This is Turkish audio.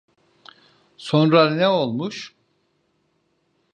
Sonra ne olmuş?